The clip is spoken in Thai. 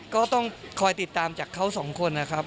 ก็ต้องคอยติดตามจากเขาสองคนนะครับ